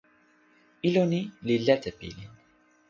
ilo ni li lete pilin.